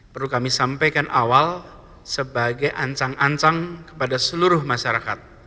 perlu kami sampaikan awal sebagai ancang ancang kepada seluruh masyarakat